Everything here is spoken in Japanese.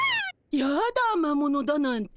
やだ魔物だなんて。